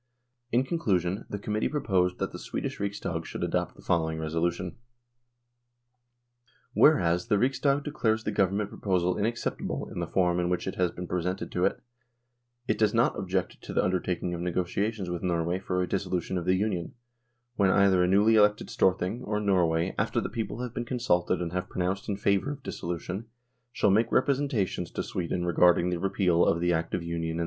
In conclusion, the Committee proposed that the Swedish Riksdag should adopt the following resolu tion :" Whereas, the Riksdag declares the Government proposal inacceptable in the form in which it has been presented to it: it does not object to the undertaking of negotiations with Norway for a dissolution of the Union, when either a newly elected Storthing or Norway, after the people have been consulted and have pronounced in favour of dissolution, shall make representations to Sweden regarding the repeal of the Act of Union and the dissolution of the Union.